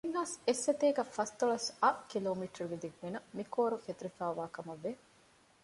ތިން ހާސް އެއްސަތޭކަ ފަސްދޮޅަސް އަށް ކިލޯމީޓަރުގެ ދިގުމިނަށް މި ކޯރު ފެތުރިފައިވާ ކަމަށްވެ